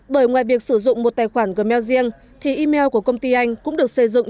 bởi ngoài việc sử dụng một tài khoản gmail riêng thì email của công ty anh cũng được xây dựng